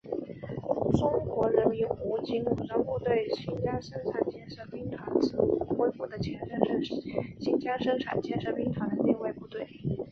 中国人民武装警察部队新疆生产建设兵团指挥部的前身是新疆生产建设兵团的内卫部队。